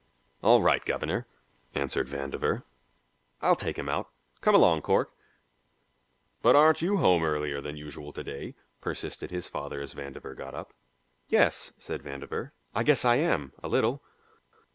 "All right, governor," answered Vandover. "I'll take him out. Come along, Cork." "But aren't you home earlier than usual to day?" persisted his father as Vandover got up. "Yes," said Vandover, "I guess I am, a little."